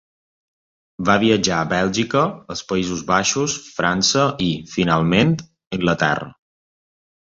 Va viatjar a Bèlgica, els Països Baixos, França i, finalment, Anglaterra.